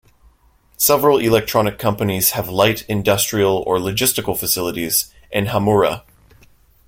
Several electronic companies have light industrial or logistical facilities in Hamura.